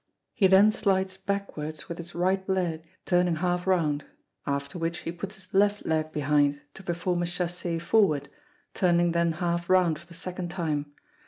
He then slides backwards with his right leg, turning half round; after which he puts his left leg behind, to perform a chassez forward, turning then half round for the second time.